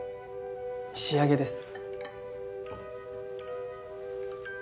仕上げです。